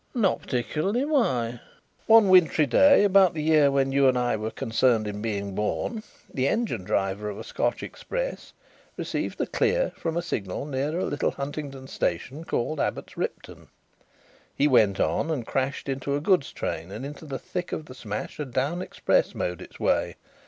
"Not particularly, Why?" "One winterly day, about the year when you and I were concerned in being born, the engine driver of a Scotch express received the 'clear' from a signal near a little Huntingdon station called Abbots Ripton. He went on and crashed into a goods train and into the thick of the smash a down express mowed its way.